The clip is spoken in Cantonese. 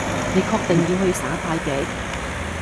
你確定要去耍太極？